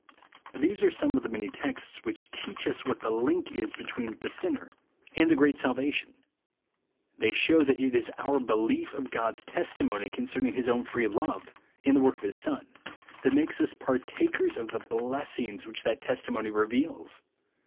These ai'e some of the many texts which teach us what the link is between the sin ner and the great salvation. They shew 103 BELIEVE AND BE SAVED. that it is our belief of God's testimony, concerning his own free love, and the work of his Son, that makes us partakers of the blessings v/liich that testimony reveals.